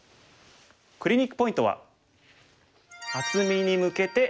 クリニックポイントは。